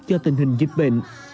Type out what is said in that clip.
do tình hình dịch bệnh